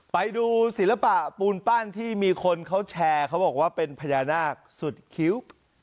ไปดูศิลปะปูนปั้นที่มีคนเขาแชร์เขาบอกว่าเป็นพญานาคสุดคิ้ว